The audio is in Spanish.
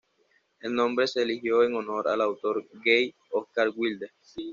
El nombre se eligió en honor al autor gay Oscar Wilde.